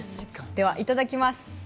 では、いただきます。